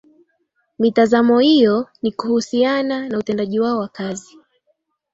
Mitazamo iyo ni kuhusiana na utendaji wao wa kazi